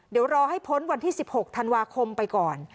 เดี๋ยวรอให้พ้นวันที่๑๖ธันวาคมไปก่อน